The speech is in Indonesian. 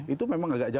itu memang agak jelas